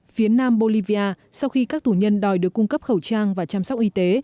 phía nam bolivia sau khi các tù nhân đòi được cung cấp khẩu trang và chăm sóc y tế